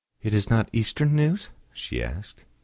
"It is not Eastern news?" she asked.